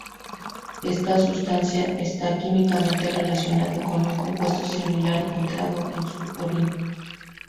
Esta sustancia está químicamente relacionada con un compuesto similar encontrado en su orina.